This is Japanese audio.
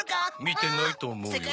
見てないと思うよ。